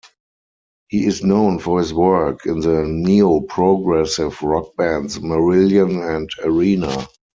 He is known for his work in the neo-progressive rock bands Marillion and Arena.